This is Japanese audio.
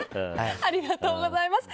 ありがとうございます。